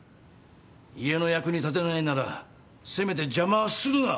家の役に立てないならせめて邪魔はするな。